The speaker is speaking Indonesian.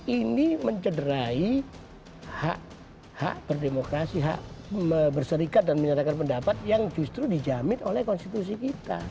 ini mencederai hak berdemokrasi hak berserikat dan menyatakan pendapat yang justru dijamin oleh konstitusi kita